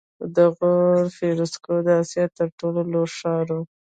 د غور فیروزکوه د اسیا تر ټولو لوړ ښار و